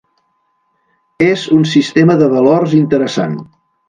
És un sistema de valors interessant.